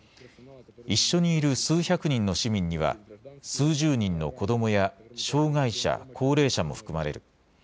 一緒にいる数百人の市民には数十人の子どもや障害者、高齢者も含まれる。